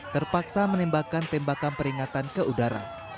terpaksa menembakkan tembakan peringatan ke udara